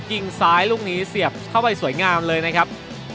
ยิงซ้ายลูกนี้เสียบเข้าไปสวยงามเลยนะครับ